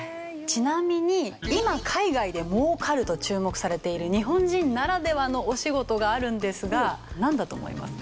ちなみに今海外で儲かると注目されている日本人ならではのお仕事があるんですがなんだと思いますか？